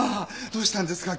どうしたんですか？